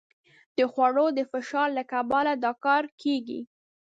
د خوړو د فشار له کبله دا کار کېږي.